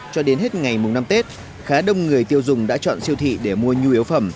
cho đến hết ngày mùng năm tết khá đông người tiêu dùng đã chọn siêu thị để mua nhu yếu phẩm